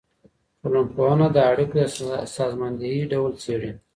ټولنپوهنه د اړيکو د سازماندهۍ ډول څېړي.